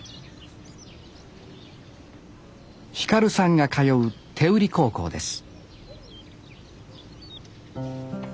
輝さんが通う天売高校です